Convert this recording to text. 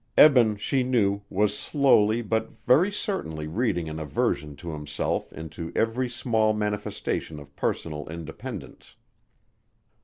Eben, she knew, was slowly but very certainly reading an aversion to himself into every small manifestation of personal independence.